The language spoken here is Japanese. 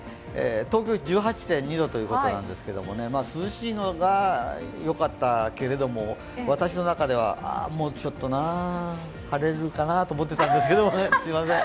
東京、１８．２度ということなんですが涼しいのはよかったけれども私の中ではもうちょっとな、晴れるかなと思ってたんですけどすみません。